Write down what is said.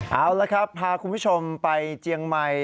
เอาละครับพาคุณผู้ชมไปเจียงใหม่